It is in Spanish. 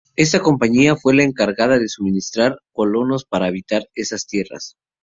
Esta compañía fue la encargada de suministrar colonos para habitar estas tierras.